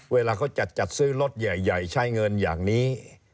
เวลาเขาจัดซื้อรถใหญ่ใช้เงินอย่างนี้